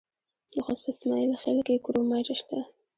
د خوست په اسماعیل خیل کې کرومایټ شته.